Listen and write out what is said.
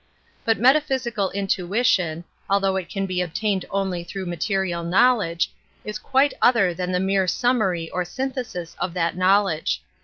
But meta physical intuition, although it can be ob tained only through material knowledge, quite other than the mere summary or syn thesis of that knowledge.